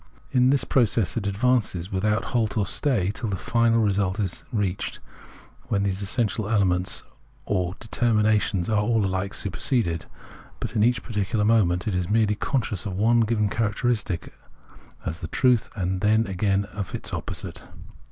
In that process it advances, without halt or stay, till the final result is reached, when these essential ultimate elements or determinations are all alike superseded ; but in each particular moment it is merely conscious of one given characteristic as the truth, and then, again, of the opposite.